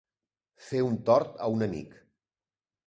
Fer un tort a un amic.